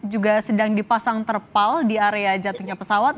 juga sedang dipasang terpal di area jatuhnya pesawat